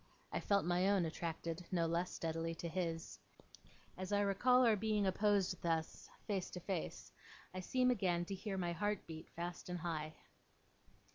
I felt my own attracted, no less steadily, to his. As I recall our being opposed thus, face to face, I seem again to hear my heart beat fast and high.